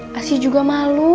masih juga malu